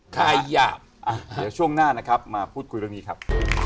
ใครหยาบเดี๋ยวช่วงหน้านะครับมาพูดคุยเรื่องนี้ครับ